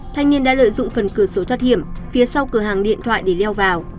thanh niên đã lợi dụng phần cửa số thoát hiểm phía sau cửa hàng điện thoại để leo vào